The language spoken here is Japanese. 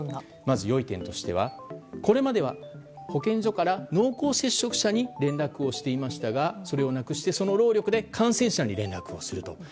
まず良い点としてはこれまでは保健所から濃厚接触者に連絡していましたがそれをなくして、その労力で感染者に連絡すると。